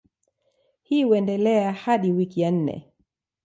Hii huendelea hadi wiki ya nne.